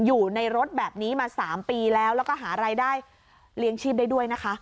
อยู่ในรถแบบนี้มา๓ปีแล้วแล้วก็หารายได้เลี้ยงชีพได้ด้วยนะคะ